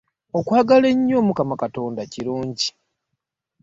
Okwagala ennyo omukama katonda kirungi.